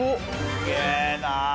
すげえなあ！